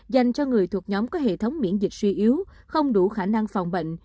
dành cho người thuộc nhóm có hệ thống miễn dịch suy yếu không đủ khả năng phòng bệnh